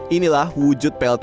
inilah wujud plts